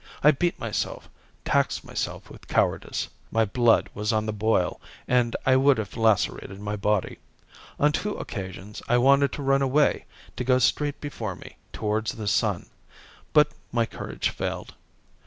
I beat myself, taxed myself with cowardice. My blood was on the boil, and I would have lacerated my body. On two occasions, I wanted to run away, to go straight before me, towards the sun; but my courage failed.